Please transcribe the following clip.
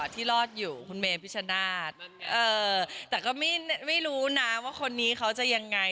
แต่ก็ไม่รู้นะว่าคนนี้เขาจะยังไง